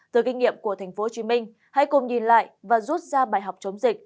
từ kinh nghiệm của tp hcm hãy cùng nhìn lại và rút ra bài học chống dịch